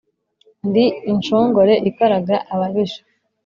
Ndi inshongore ikaraga ababisha